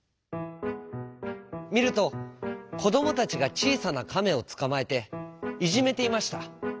みるとこどもたちがちいさなかめをつかまえていじめていました。